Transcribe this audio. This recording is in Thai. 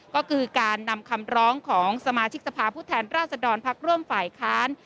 ก็คือการนำคำร้องของสมาชิกสภาพผู้แทนราชดรพักร่วมฝ่ายค้าน